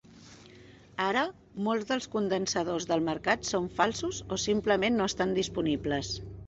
Ara, molts dels condensadors del mercat són falsos o simplement no estan disponibles.